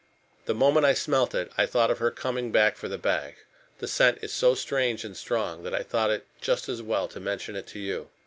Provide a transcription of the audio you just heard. The moment I smelt it I thought of her coming back for the bag. The scent is so strange and strong that I thought it just as well to mention it to you.